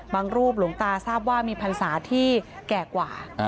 บางรูปหลวงตาที่ทราบว่ามีพันธ์สาวที่แก่กว่า